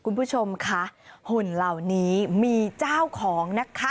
คุณผู้ชมค่ะหุ่นเหล่านี้มีเจ้าของนะคะ